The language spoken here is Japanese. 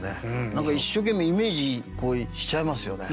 何か一生懸命イメージしちゃいますよね。